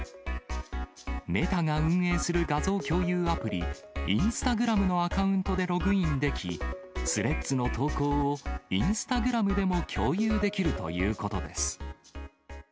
メタが運営する画像共有アプリ、インスタグラムのアカウントでログインでき、スレッズの投稿をインスタグラムでも共有できるということです。